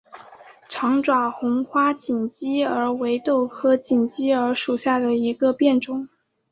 长爪红花锦鸡儿为豆科锦鸡儿属下的一个变种。